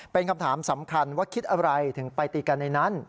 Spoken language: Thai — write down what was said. เป็นคำถามสำคัญว่าคิดอะไรถึงไปตีกันในนั้น